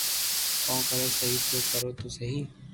ڪري تو سھي ني ڪرو تو سھي